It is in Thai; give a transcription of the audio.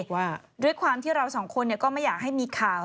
ว่าด้วยความที่เราสองคนก็ไม่อยากให้มีข่าว